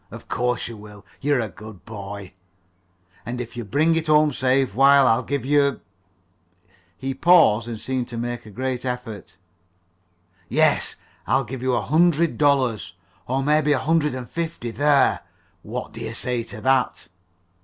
Of course you will. You're a good boy, and if you bring it home safe, why, I'll give you" he paused and seemed to make a great effort "yes, I'll give you a hundred dollars, or maybe a hundred and fifty. There! What do you say to that?"